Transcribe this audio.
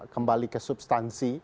kembali ke substansi